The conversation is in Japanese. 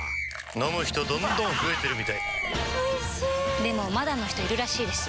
飲む人どんどん増えてるみたいおいしでもまだの人いるらしいですよ